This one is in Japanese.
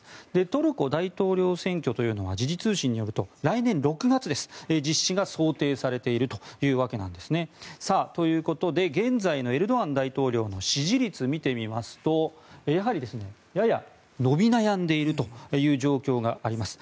トルコ大統領選挙というのは時事通信によると来年６月に実施が想定されているというわけです。ということで、現在のエルドアン大統領の支持率を見てみますと、やはりやや伸び悩んでいるという状況があります。